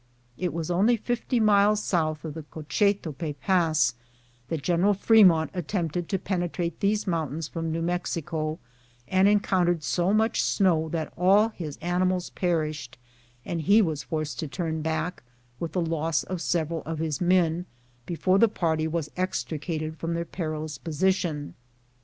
It was only fifty miles south of the Cochetope Pass that General Fremont attempted to pene trate these mountains from New Mexico, and encountered so much snow that all his animals perished, and he was forced to turn back, with the loss of several of his men, be fore the party was extricated from their perilous position.